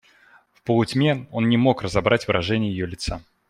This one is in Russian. В полутьме он не мог разобрать выражение ее лица.